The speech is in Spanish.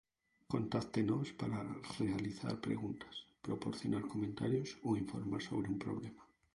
Contáctenos para realizar preguntas, proporcionar comentarios o informar sobre un problema.